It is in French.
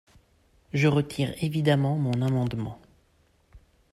Je retire évidemment mon amendement.